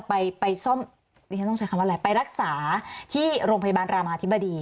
ไปรักษาที่โรงพยาบาลรามาธิบดี